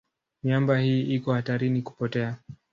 Miamba hii iko hatarini kupotea.